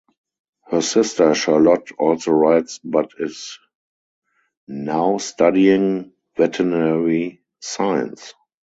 Her sister Charlotte also rides but is now studying veterinary science.